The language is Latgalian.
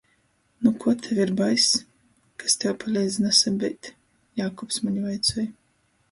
Nu kuo tev ir baist? Kas tev paleidz nasabeit? Jākubs maņ vaicoj.